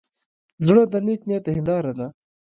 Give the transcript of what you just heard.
زړه د نیک نیت هنداره ده.